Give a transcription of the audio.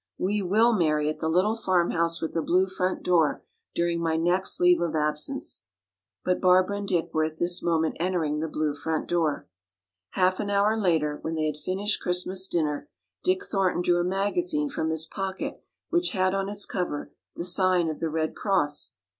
"We will marry at the little 'Farmhouse with the Blue Front Door' during my next leave of absence." But Barbara and Dick were at this moment entering the blue front door. Half an hour later, when they had finished Christmas dinner, Dick Thornton drew a magazine from his pocket, which had on its cover the sign of the Red Cross.